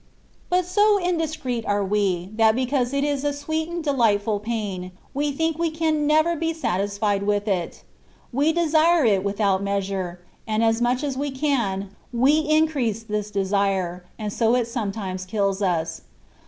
But so indiscreet are we, that because it is a sweet and delightfal pain, we think we can never be satisfied with it : we desire it without measure, and as much as we can, we increase this desire, and so it sometimes kills us.